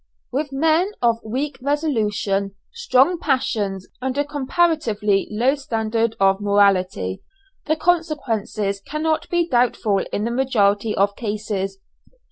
With men of weak resolution, strong passions, and a comparatively low standard of morality, the consequences cannot be doubtful in the majority of cases.